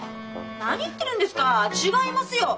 何言ってるんですか違いますよ。